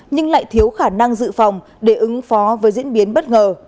nhưng lại thiếu khả năng dự phòng để ứng phó với diễn biến bất ngờ